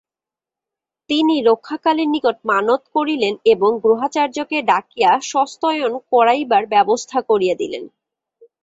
তিনি রক্ষাকালীর নিকট মানত করিলেন এবং গ্রহাচার্যকে ডাকিয়া স্বস্ত্যয়ন করাইবার ব্যবস্থা করিয়া দিলেন।